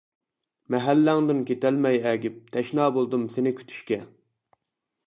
مەھەللەڭدىن كېتەلمەي ئەگىپ، تەشنا بولدۇم سېنى كۈتۈشكە.